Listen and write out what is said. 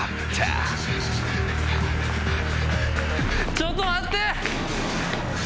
ちょっと待って。